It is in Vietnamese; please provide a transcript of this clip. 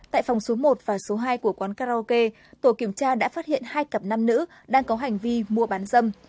tại phòng số một và số hai của quán karaoke tổ kiểm tra đã phát hiện hai cặp nam nữ đang có hành vi mua bán dâm